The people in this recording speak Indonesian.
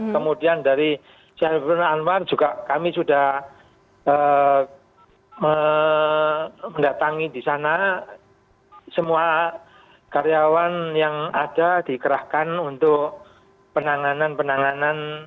kemudian dari syarifuddin anwar juga kami sudah mendatangi di sana semua karyawan yang ada dikerahkan untuk penanganan penanganan